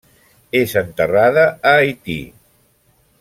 És enterrada a Haití.